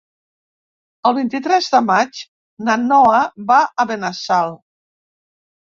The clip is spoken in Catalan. El vint-i-tres de maig na Noa va a Benassal.